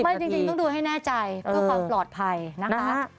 จริงต้องดูให้แน่ใจเพื่อความปลอดภัยนะคะ